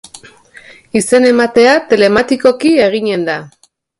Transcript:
Izen ematea telematikoki egingo da.